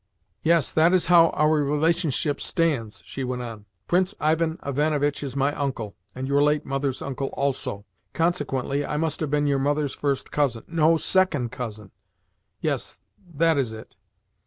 "Yes, that is how our relationship stands," she went on. "Prince Ivan Ivanovitch is my uncle, and your late mother's uncle also. Consequently I must have been your mother's first cousin no, second cousin. Yes, that is it.